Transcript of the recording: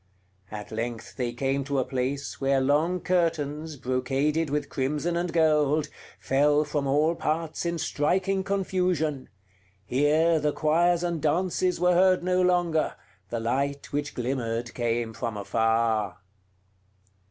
At length they came to a place where long curtains, brocaded with crimson and gold, fell from all parts in striking confusion; here the choirs and dances were heard no longer, the light which glimmered came from afar.